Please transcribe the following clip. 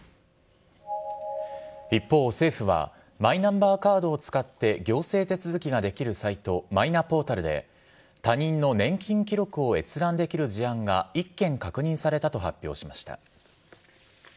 一方、政府はマイナンバーカードを使って、行政手続きができるサイト、マイナポータルで、他人の年金記録を閲覧できる事案が１件確認されたと発表しました。